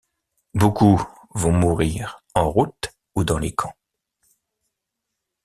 Beaucoup vont mourir en route ou dans les camps.